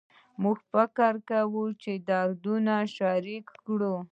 موږ فکر کوو چې دردونه شریک کړو